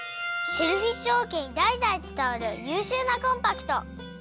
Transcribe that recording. シェルフィッシュおうけにだいだいつたわるゆうしゅうなコンパクト！